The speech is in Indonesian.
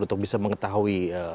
untuk bisa mengetahui